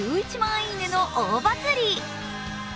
「いいね」の大バズり。